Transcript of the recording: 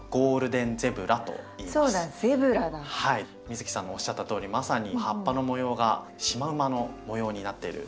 美月さんのおっしゃったとおりまさに葉っぱの模様がシマウマの模様になっている。